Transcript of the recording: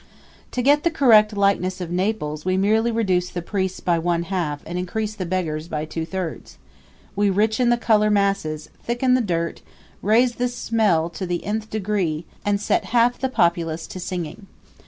To get the correct likeness of Naples we merely reduce the priests by one half and increase the beggars by two thirds; we richen the color masses, thicken the dirt, raise the smells to the Nth degree, and set half the populace to singing.